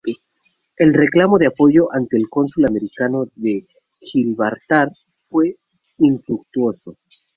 El reclamo de apoyo ante el cónsul americano en Gibraltar fue infructuoso.